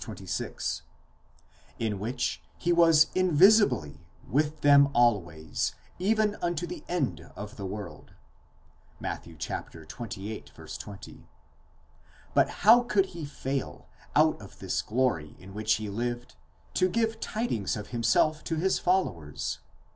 26) in which he was invisibly wth them always, even unto the end of the world (Matt. xxviii. 20). But how could he fail, out of this glory, in which he lived, to give tidings of himself to his followers